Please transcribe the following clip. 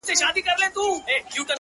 • دواړي سترګي د غوايي دي ورتړلي ,